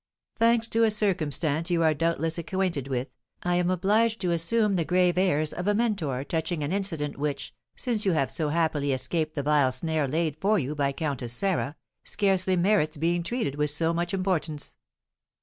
"Thanks to a circumstance you are doubtless acquainted with, I am obliged to assume the grave airs of a mentor touching an incident which, since you have so happily escaped the vile snare laid for you by Countess Sarah, scarcely merits being treated with so much importance.